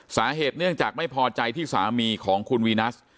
สาเหตุเนื่องจากไม่พอใจที่สามีของคุณวีนัส